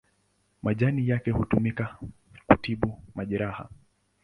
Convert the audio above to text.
Majani yake hutumika kutibu majeraha.